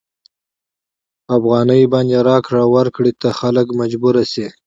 په افغانیو باندې راکړې ورکړې ته خلک مجبور شي.